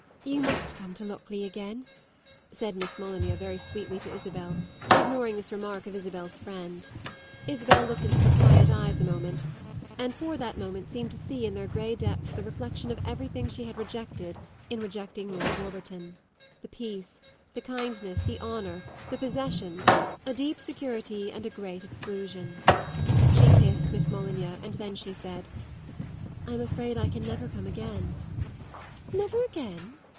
"You must come to Lockleigh again," said Miss Molyneux, very sweetly, to Isabel, ignoring this remark of Isabel's friend. Isabel looked into her quiet eyes a moment, and for that moment seemed to see in their grey depths the reflexion of everything she had rejected in rejecting Lord Warburton the peace, the kindness, the honour, the possessions, a deep security and a great exclusion. She kissed Miss Molyneux and then she said: "I'm afraid I can never come again." "Never again?"